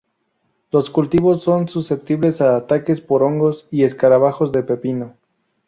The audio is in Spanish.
Los cultivos son susceptibles a ataques por hongos, y escarabajos de pepino.